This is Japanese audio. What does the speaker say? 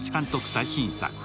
最新作。